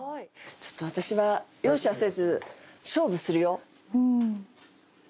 ちょっと私は容赦せず勝負するよ。